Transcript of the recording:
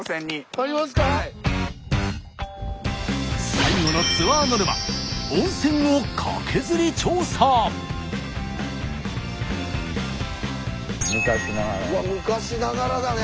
最後のツアーノルマ昔ながらだね。